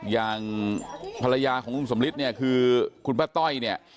อย่างภรรยาของลุงสมฤทธิ์คือคุณพระต้อย